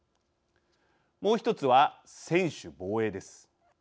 もう１つは専守防衛です。